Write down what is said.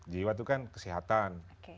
jiwa itu kan kesehatan